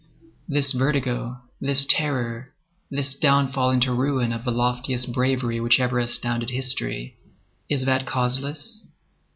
This vertigo, this terror, this downfall into ruin of the loftiest bravery which ever astounded history,—is that causeless?